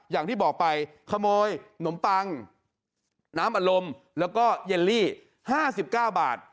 อย่างที่บอกไปขโมยนมปังน้ำอารมณ์แล้วก็เย็นลี่๕๙บาท